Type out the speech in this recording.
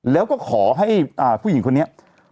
แล้วก็ขอให้ผู้หญิงคนนี้